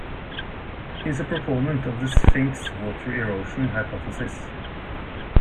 He is a proponent of the Sphinx water erosion hypothesis.